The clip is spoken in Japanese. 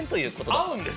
あうんです